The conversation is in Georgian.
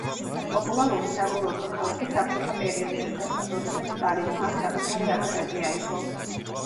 პოპულარული საკურორტო ქალაქი საბჭოთა პერიოდში ხდება, როდესაც სტალინმა აქ საკუთარი აგარაკი აიგო.